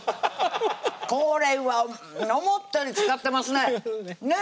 これは思ったより漬かってますねねぇ